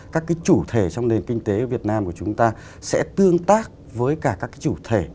các cái chủ thể trong nền kinh tế việt nam của chúng ta sẽ tương tác với cả các cái chủ thể